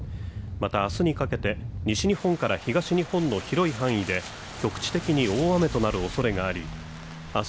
また明日にかけて西日本から東日本の広い範囲で局地的に大雨となるおそれがあり明日